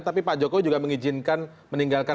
tapi pak jokowi juga mengizinkan meninggalkan